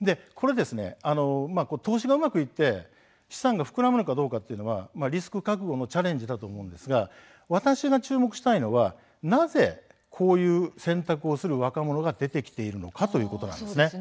投資がうまくいって資産が膨らむかどうかはリスク覚悟のチャレンジだと思うんですが私が注目したいのはなぜこういう選択をする若者が出てきているのかということです。